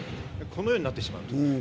このようになってしまう。